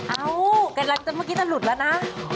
เอ้าเมื่อกี้จะหลุดแล้วนะ